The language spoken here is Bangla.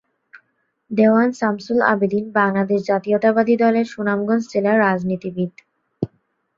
দেওয়ান শামসুল আবেদীন বাংলাদেশ জাতীয়তাবাদী দলের সুনামগঞ্জ জেলার রাজনীতিবিদ।